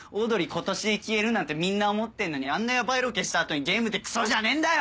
今年で消えるなんてみんな思ってんのにあんなヤバいロケした後にゲームで「クソ」じゃねえんだよ！